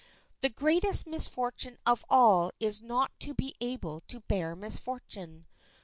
The greatest misfortune of all is not to be able to bear misfortune.